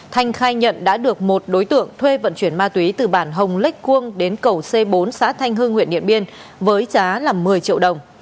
thanh khai nhận đã được một đối tượng thuê vận chuyển ma túy từ bản hồng lách cuông đến cầu c bốn xã thanh hưng huyện điện biên với giá là một mươi triệu đồng